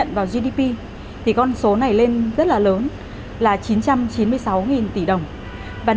đặc biệt là năm giới